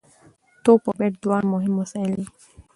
توپ او بېټ دواړه مهم وسایل دي.